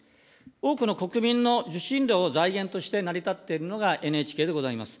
多くの国民の受信料を財源として成り立っているのがＮＨＫでございます。